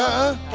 alah alah alah